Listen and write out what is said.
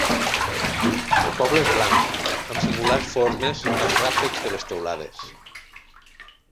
El poble és blanc amb singulars formes als ràfecs de les teulades.